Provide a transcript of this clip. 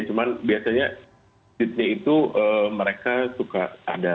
cuma biasanya masjidnya itu mereka suka ada